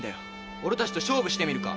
俺たちと勝負してみるか。